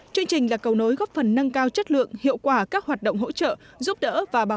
chương trình là cầu nối góp phần nâng cao chất lượng hiệu quả các hoạt động hỗ trợ